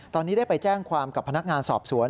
ตอนนี้ได้ไปแจ้งความกับพนักงานสอบสวน